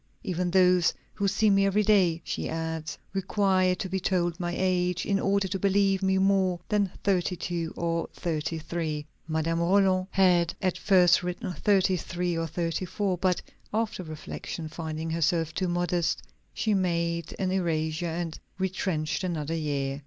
"Even those who see me every day," she adds, "require to be told my age, in order to believe me more than thirty two or thirty three." Madame Roland had at first written thirty three or thirty four. But after reflection, finding herself too modest, she made an erasure and retrenched another year.